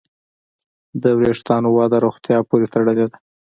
د وېښتیانو وده روغتیا پورې تړلې ده.